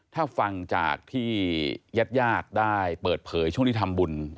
ถ้าฟังจากที่แยกได้เปิดเผยช่วงที่ทำบุญ